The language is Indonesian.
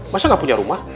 masa gak punya rumah